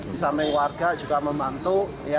bisa mengwarga juga membantu